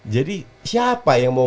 jadi siapa yang mau